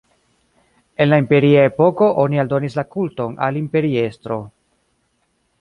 En la imperia epoko oni aldonis la kulton al imperiestro.